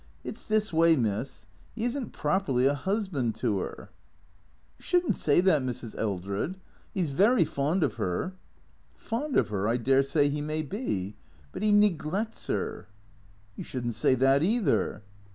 " It 's this way, miss. 'E is n't properly a 'usban' to 'er." " You should n't say that, Mrs. Eldred. He 's verv fond of her." " Fond of 'er I dare say 'E may be. But 'E neglec's 'er." "You shouldn't say that, either."